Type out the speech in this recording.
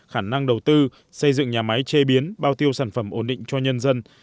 khả năng đầu tư xây dựng nhà máy chế biến bao tiêu sản phẩm ổn định cho nhân dân